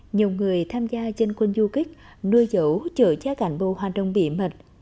nhiều người tham gia dân quân du kích nuôi dấu chở cháy cảnh bộ hoạt động bỉ mật